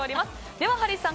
ではハリーさん